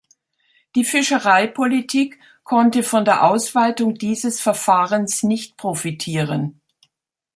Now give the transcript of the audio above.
Die Fischereipolitik konnte von der Ausweitung dieses Verfahrens nicht profitieren.